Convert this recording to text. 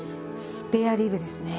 スペアリブですね。